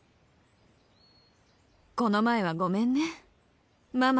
この前はごめんねママ